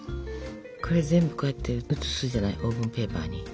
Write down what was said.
これ全部こうやって移すじゃないオーブンペーパーに。